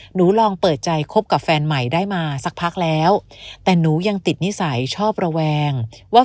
หนูลองเปิดใจคบกับแฟนใหม่ได้มาสักพักแล้วแต่หนูยังติดนิสัยชอบระแวงว่า